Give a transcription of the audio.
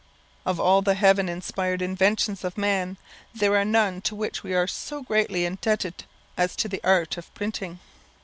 Of all the heaven inspired inventions of man, there are none to which we are so greatly indebted as to the art of printing.